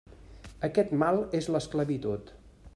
Aquest mal és l'esclavitud.